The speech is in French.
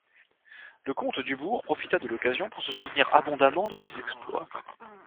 Le comte Dubourg profita de l'occasion pour se souvenir abondamment de ses exploits.